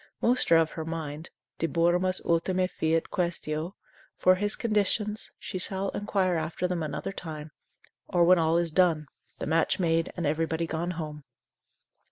Most are of her mind, De moribus ultima fiet questio, for his conditions, she shall inquire after them another time, or when all is done, the match made, and everybody gone home.